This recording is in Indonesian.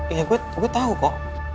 iya gue tau kok